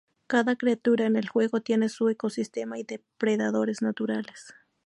Cada criatura en el juego tiene su ecosistema y depredadores naturales.